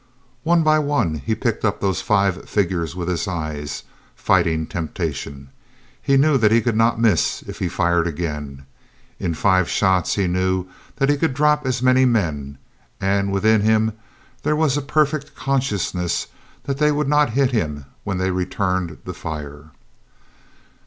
One by one he picked up those five figures with his eyes, fighting temptation. He knew that he could not miss if he fired again. In five shots he knew that he could drop as many men, and within him there was a perfect consciousness that they would not hit him when they returned the fire.